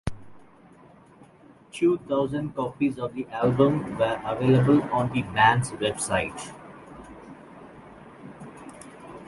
Two thousand copies of the album were available on the band's website.